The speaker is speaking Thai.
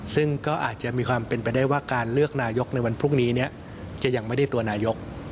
ซึ่งก็อาจจะมีความเป็นไปได้ว่าการเลือกนายกในวันพรุ่งนี้จะยังไม่ได้ตัวนายก